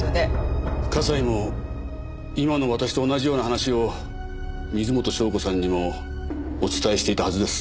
笠井も今の私と同じような話を水元湘子さんにもお伝えしていたはずです。